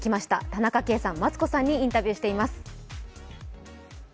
田中圭さん、マツコさんにインタビューしています。